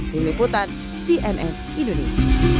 dini putan cnn indonesia